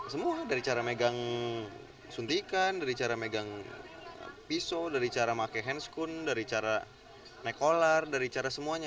semua dari cara megang suntikan dari cara megang pisau dari cara pakai handscoon dari cara naik olar dari cara semuanya